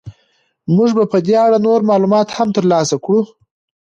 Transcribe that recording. موږ به په دې اړه نور معلومات هم ترلاسه کړو.